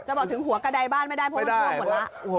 บอกถึงหัวกระดายบ้านไม่ได้เพราะมันท่วมหมดแล้ว